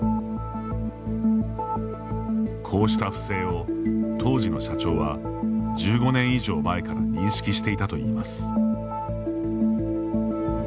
こうした不正を、当時の社長は１５年以上前から認識していたといいます。